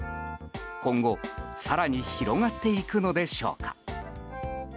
今後、更に広がっていくのでしょうか。